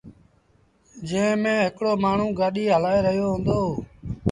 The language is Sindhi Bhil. جݩهݩ ميݩ هڪڙو مآڻهوٚݩ گآڏيٚ هلآئي رهيو هُݩدو۔